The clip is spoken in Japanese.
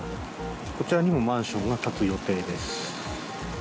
こちらにもマンションが建つ予定です。